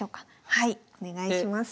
はいお願いします。